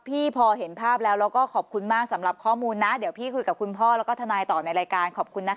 พอเห็นภาพแล้วแล้วก็ขอบคุณมากสำหรับข้อมูลนะเดี๋ยวพี่คุยกับคุณพ่อแล้วก็ทนายต่อในรายการขอบคุณนะคะ